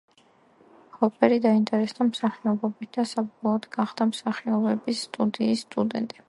ჰოპერი დაინტერესდა მსახიობობით და საბოლოოდ გახდა მსახიობების სტუდიის სტუდენტი.